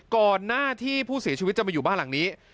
ก่อนหน้าที่ผู้เสียชีวิตจะมาอยู่บ้านหลังนี้